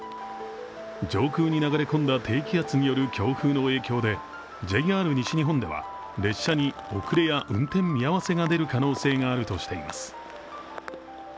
上空に流れ込んだ低気圧による強風の影響でＪＲ西日本では列車に遅れや運転見合せが出る可能性があるとしています。